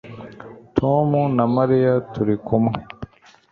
Tom na Mariya turi kumwe